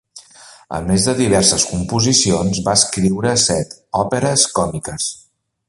A més de diverses composicions, va escriure set òperes còmiques.